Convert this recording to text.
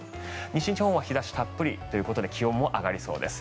西日本は日差したっぷりということで気温も上がりそうです。